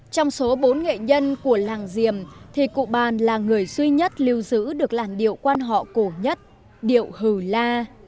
trong số bốn nghệ nhân của làng diềm thì cụ bàn là người duy nhất lưu giữ được làn điệu quan họ cổ nhất điệu hừ la